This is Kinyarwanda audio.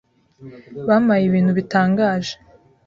Bampaye ibintu bitangaje